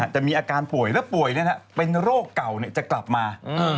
จะมีอาการป่วยแล้วป่วยเป็นโรคเก่าจะกลับมา